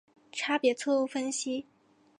差别错误分析。